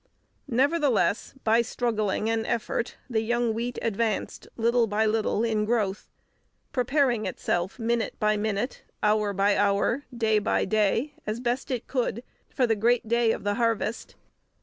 Nevertheless, by struggling and effort the young wheat advanced, little by little, in growth; preparing itself, minute by minute, hour by hour, day by day, as best it could, for the great day of the harvest.